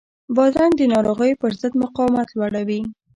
بادرنګ د ناروغیو پر ضد مقاومت لوړوي.